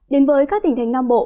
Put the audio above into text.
đến với các tỉnh thành nam bộ